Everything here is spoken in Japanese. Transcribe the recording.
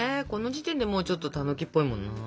この時点でもうちょっとたぬきっぽいもんな。